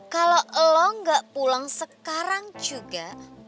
kalau lo gak pulang sekarang juga